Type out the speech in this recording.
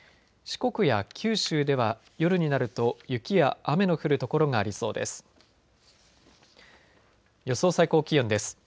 四国や九州では夜になると雪や雨の降る所がありそうです。